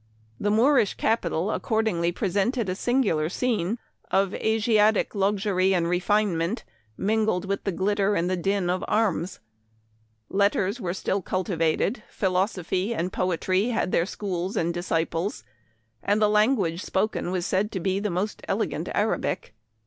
The Moorish capital accordingly pre sented a singular scene of Asiatic luxury and 180 Memoir of Washington Irving. refinement, mingled with the glitter and the din of arms. Letters were still cultivated, philoso phy and poetry had their schools and disciples, and the language spoken was said to be the most elegant Arabic.